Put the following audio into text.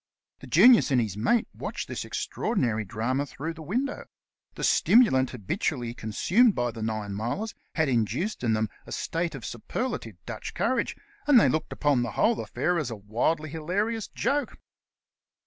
The Genius and his mate watched this extraordinary drama through the window. The stimulant habitually con sumed by the Ninemilers had induced in them a state of superlative Dutch courage, and they looked upon the whole afi^air as a wildly hilarious joke.